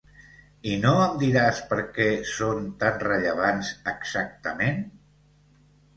I no em diràs per què són tan rellevants, exactament?